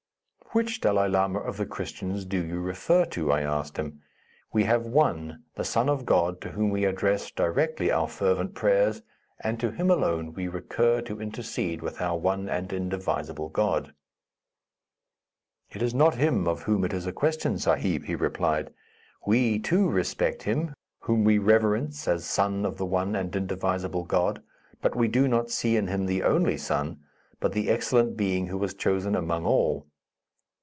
"Which Dalai Lama of the Christians do you refer to?" I asked him; "we have one, the Son of God, to whom we address directly our fervent prayers, and to him alone we recur to intercede with our One and Indivisible God." "It is not him of whom it is a question, Sahib," he replied. "We, too, respect him, whom we reverence as son of the One and Indivisible God, but we do not see in him the Only Son, but the excellent being who was chosen among all.